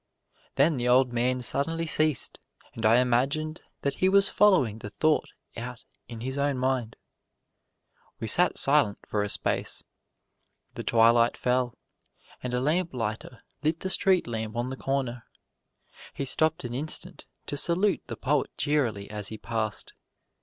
Then the old man suddenly ceased and I imagined that he was following the thought out in his own mind. We sat silent for a space. The twilight fell, and a lamplighter lit the street lamp on the corner. He stopped an instant to salute the poet cheerily as he passed.